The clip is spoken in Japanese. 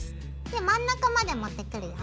で真ん中まで持ってくるよ。